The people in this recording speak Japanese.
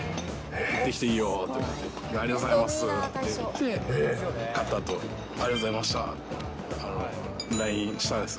行ってきていいよって言って、ありがとうございますって言って、買ったあと、ありがとうございましたってＬＩＮＥしたんです。